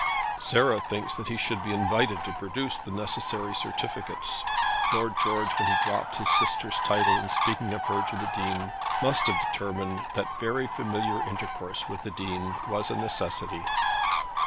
"Sarah thinks that he should be invited to produce the necessary certificates." Lord George, when he dropped his sister's title in speaking of her to the Dean, must have determined that very familiar intercourse with the Dean was a necessity.